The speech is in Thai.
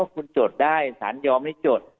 คุณจดได้สารยอมให้จด